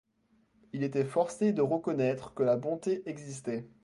Il était forcé de reconnaître que la bonté existait.